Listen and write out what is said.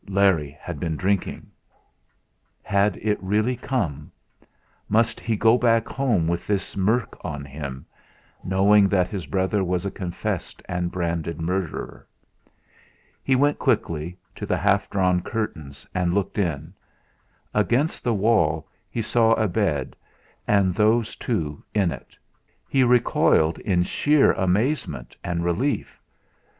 Larry had been drinking! Had it really come? Must he go back home with this murk on him; knowing that his brother was a confessed and branded murderer? He went quickly, to the half drawn curtains and looked in. Against the wall he saw a bed, and those two in it. He recoiled in sheer amazement and relief.